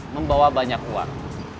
membawa banyak uang